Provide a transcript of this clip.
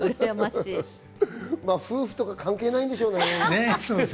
夫婦とか関係ないんでしょうね。